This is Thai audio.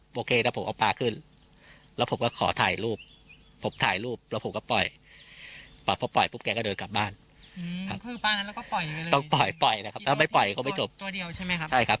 เป็นปลาอะไรครับเป็นปลาช้อนครับอ่าช้อนใช่ไหมครับได้ได้